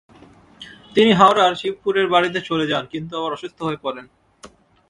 তিনি হাওড়ার শিবপুরের বাড়িতে চলে যান কিন্তু আবার অসুস্থ হয়ে পড়েন।